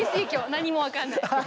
何も分かんない。